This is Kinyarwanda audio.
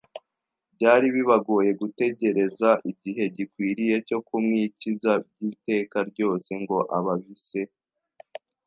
Byari bibagoye gutegereza igihe gikwiriye cyo kumwikiza by'iteka ryose, ngo ababise